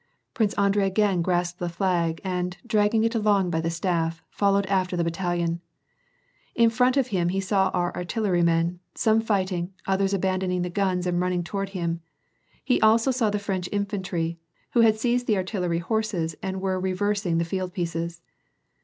Prince Andrei again grasped the flag and, dragging it along by the staff, followed after the battalion. In front of him, he saw our artillerymen, some fighting, others abandoning the guns and running toward him ; he also saw the French infantry, who had seized tlie artillery horses and were reversing tlie iield pieces.